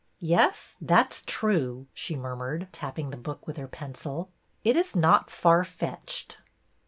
Yes, that 's true," she murmured, tapping the book with her pencil. It is not far fetched."